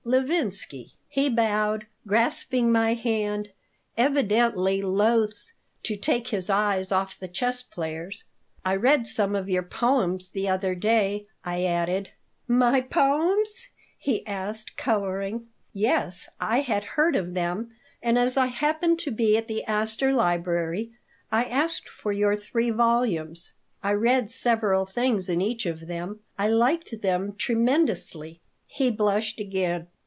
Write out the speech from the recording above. Levinsky." He bowed, grasping my hand, evidently loath to take his eyes off the chess players "I read some of your poems the other day," I added "My poems?" he asked, coloring "Yes; I had heard of them, and as I happened to be at the Astor Library I asked for your three volumes. I read several things in each of them. I liked them tremendously." He blushed again.